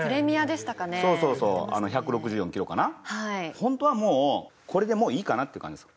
ホントはもうこれでもういいかなって感じです。